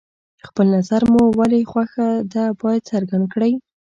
خپل نظر مو ولې خوښه ده باید څرګند کړئ.